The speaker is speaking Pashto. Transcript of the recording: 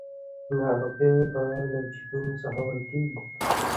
نه روپۍ به له جېبو څخه ورکیږي